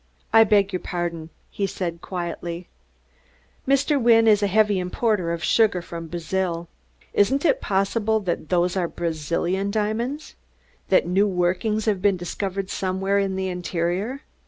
"I beg your pardon," he said quietly. "Mr. Wynne is a heavy importer of sugar from Brazil. Isn't it possible that those are Brazilian diamonds? That new workings have been discovered somewhere in the interior?